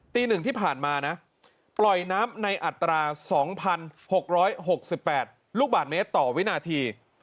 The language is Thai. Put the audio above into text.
๑ที่ผ่านมานะปล่อยน้ำในอัตรา๒๖๖๘ลูกบาทเมตรต่อวินาที